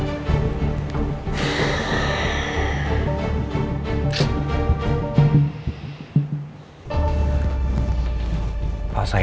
silakan hubungi beberapa saat lagi